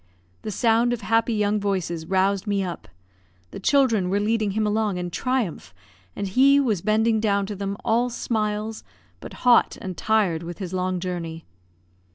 The sound of happy young voices roused me up; the children were leading him along in triumph; and he was bending down to them, all smiles, but hot and tired with his long journey.